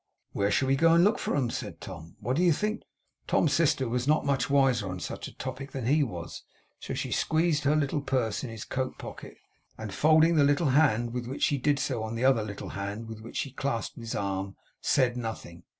'Where shall we go and look for 'em?' said Tom. 'What do you think?' Tom's sister was not much wiser on such a topic than he was. So she squeezed her little purse into his coat pocket, and folding the little hand with which she did so on the other little hand with which she clasped his arm, said nothing.